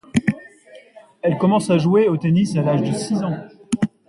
Elle commence à jouer au tennis à l'âge de six ans.